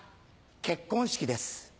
結婚式です。